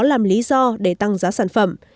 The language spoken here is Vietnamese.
làm lý do để tăng giá sản phẩm